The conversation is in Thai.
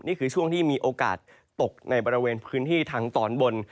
นี่คือช่วงที่มีโอกาสตกในบริเวณพื้นที่ทางตอนบน